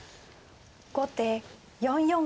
後手４四歩。